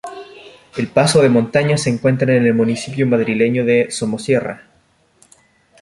El paso de montaña se encuentra en el municipio madrileño de Somosierra.